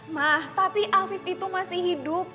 mah tapi afib itu masih hidup